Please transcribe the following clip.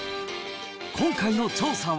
今回の調査は。